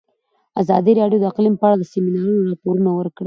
ازادي راډیو د اقلیم په اړه د سیمینارونو راپورونه ورکړي.